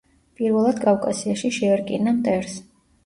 პირველად კავკასიაში შეერკინა მტერს.